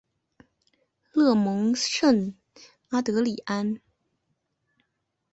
勒蒙圣阿德里安。